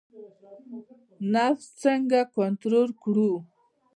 نفس څنګه کنټرول کړو؟